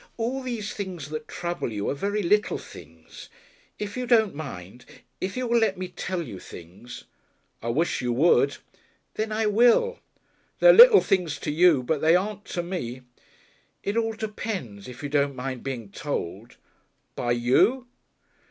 "All these things that trouble you are very little things. If you don't mind if you will let me tell you things " "I wish you would." "Then I will." "They're little things to you, but they aren't to me." "It all depends, if you don't mind being told." "By you?"